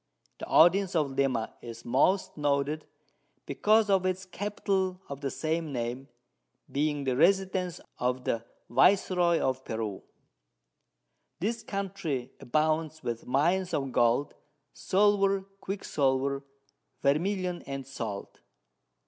The Audience of Lima is most noted, because of its Capital of the same Name, being the Residence of the Viceroy of Peru. This Country abounds with Mines of Gold, Silver, Quicksilver, Vermilion, and Salt.